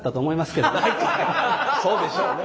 そうでしょうね。